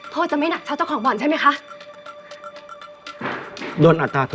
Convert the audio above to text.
และปรับตั้งแต่๕๐๐๕๐๐๐บาท